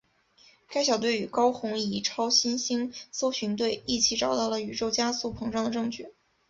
该小队与高红移超新星搜寻队一起找到了宇宙加速膨胀的证据。